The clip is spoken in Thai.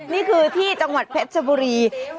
นี่คือที่เจมส์ผีพรัชชะบุรี